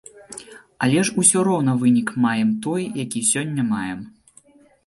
Але ж усё роўна вынік маем той, які сёння маем.